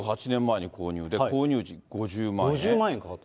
２８年前に購入で、購入時５０万円。